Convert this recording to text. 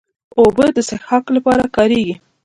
اوبه د څښاک لپاره کارېږي.